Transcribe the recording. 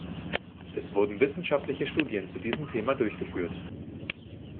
Es wurden wissenschaftliche Studien zu diesem Thema durchgeführt.